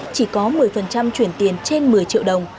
chỉ có một mươi chuyển tiền trên một mươi triệu đồng